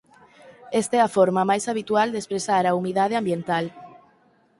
Esta é a forma máis habitual de expresar a humidade ambiental.